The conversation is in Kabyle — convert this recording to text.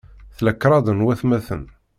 Tla kṛad n watmaten.